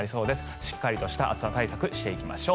しっかりとした暑さ対策をしていきましょう。